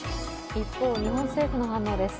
一方、日本政府の反応です。